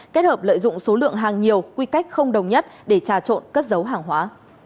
kết hợp lợi dụng số lượng hàng nhiều quy cách không đồng nhất để trà trộn cất dấu hàng hóa